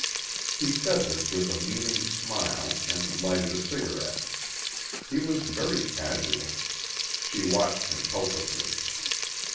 He said this with a meaning smile and lighted a cigarette. He was very casual. She watched him helplessly.